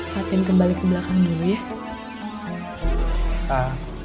patin kembali ke belakang dulu ya